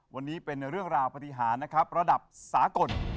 วันนี้เป็นเรื่องราวปฏิหารนะครับระดับสากล